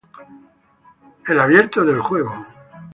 El "opening" del juego.